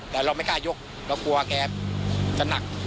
แต่เราไม่กล้ายกเรากลัวแกจะหนัก